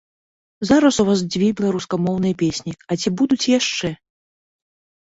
Зараз у вас дзве беларускамоўныя песні, а ці будуць яшчэ?